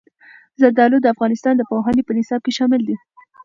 زردالو د افغانستان د پوهنې په نصاب کې شامل دي.